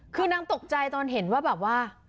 คือนางตกใจตอนเห็นว่าแบบว่า